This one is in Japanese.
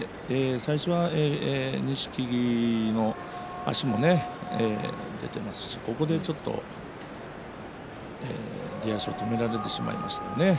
最初は錦木の足も出ていますし途中、出足を止められてしまいましたね。